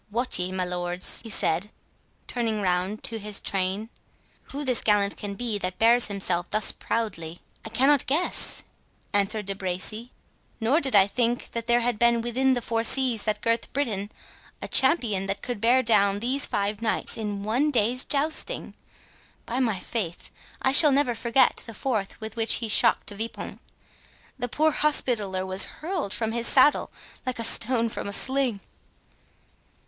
—Wot ye, my lords," he said, turning round to his train, "who this gallant can be, that bears himself thus proudly?" "I cannot guess," answered De Bracy, "nor did I think there had been within the four seas that girth Britain a champion that could bear down these five knights in one day's jousting. By my faith, I shall never forget the force with which he shocked De Vipont. The poor Hospitaller was hurled from his saddle like a stone from a sling."